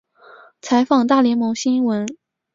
采访大联盟新闻。